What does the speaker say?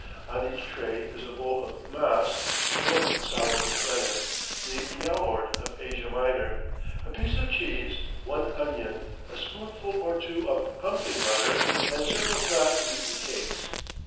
On each tray is a bowl of mast (milk soured with rennet the "yaort" of Asia Minor), a piece of cheese, one onion, a spoonful or two of pumpkin butter and several flat wheaten cakes.